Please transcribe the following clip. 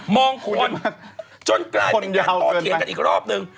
มองคนจนกลายเป็นการโตเถียงกันอีกรอบนึง